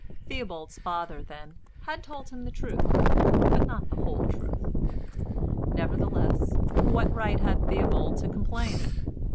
Theobald's father then had told him the truth but not the whole truth. Nevertheless, what right had Theobald to complain?